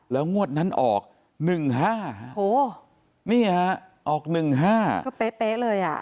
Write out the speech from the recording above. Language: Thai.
แล้วงวดนั้นออก๑๕นี่ฮะออก๑๕ก็เป๊ะเลยอ่ะ